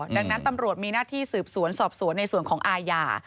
ดังนั้นตำรวจมีหน้าที่สืบสวนสอบสวนในส่วนของอาญา